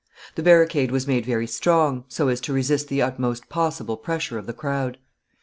The barricade was made very strong, so as to resist the utmost possible pressure of the crowd.